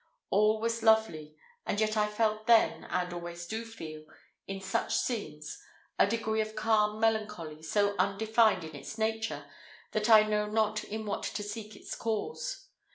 All was lovely, and yet I felt then, and always do feel, in such scenes, a degree of calm melancholy, so undefined in its nature, that I know not in what to seek its cause.